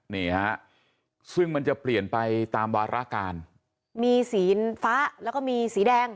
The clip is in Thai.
นี่ฮะซึ่งมันจะเปลี่ยนไปตามวาราการมีสีฟ้าแล้วก็มีสีแดง